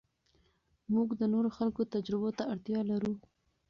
موږ د نورو خلکو تجربو ته اړتیا لرو.